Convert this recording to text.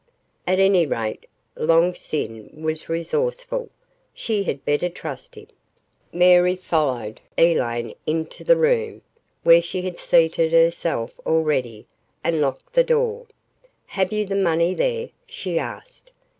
At any rate, Long Sin was resourceful. She had better trust him. Mary followed Elaine into the room, where she had seated herself already, and locked the door. "Have you the money there?" she asked.